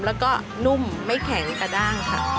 แล้วก็นุ่มไม่แข็งกระด้างค่ะ